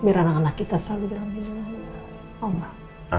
biar anak anak kita selalu dalam kejadian allah